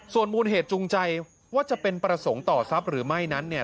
ส่วนมูลเหตุจูงใจว่าจะเป็นประสงค์ต่อทรัพย์หรือไม่นั้น